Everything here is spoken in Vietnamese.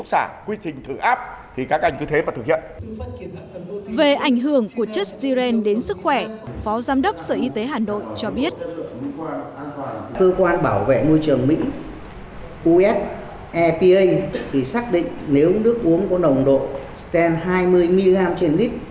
cơ quan bảo vệ môi trường mỹ us epa thì xác định nếu nước uống có nồng độ siren hai mươi mg trên lít